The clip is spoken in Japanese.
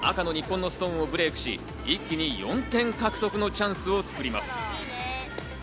赤の日本のストーンをブレイクし、一気に４点獲得のチャンスを作ります。